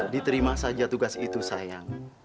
diterima saja tugas itu sayang